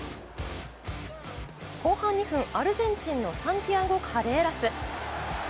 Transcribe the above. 後半２分、アルゼンチンのサンティアゴ・カレーラス。